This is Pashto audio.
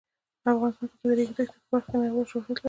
افغانستان د د ریګ دښتې په برخه کې نړیوال شهرت لري.